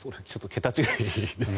桁違いですね。